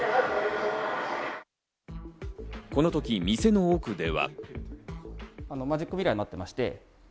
このとき店の奥では。